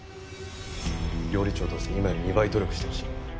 料理長として今より２倍努力してほしい。